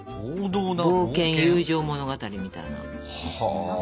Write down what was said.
冒険友情物語みたいな。は。